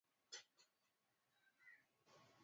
serikali inaweza ikaitoa hii tume tena sidhani